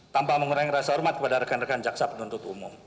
tanpa mengurangi rasa hormat kepada rekan rekan jaksa penuntut umum